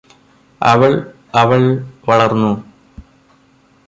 അവള് അവള് വളര്ന്നു